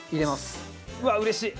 うわっうれしい。